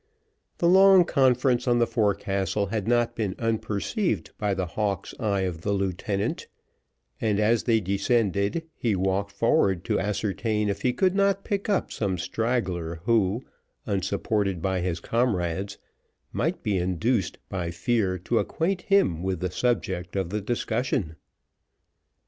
The long conference on the forecastle had not been unperceived by the hawk's eye of the lieutenant, and as they descended, he walked forward to ascertain if he could not pick up some straggler who, unsupported by his comrades, might be induced by fear to acquaint him with the subject of the discussion.